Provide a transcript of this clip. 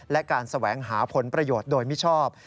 และการแสวงหาผลประโยชน์โดยมิชอบ